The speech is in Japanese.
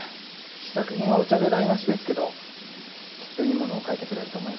試作品はお茶で台無しですけどきっといいものを書いてくれると思います。